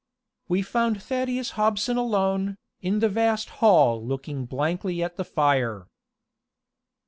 We found Thaddeus Hobson alone, in the vast hall looking blankly at the fire.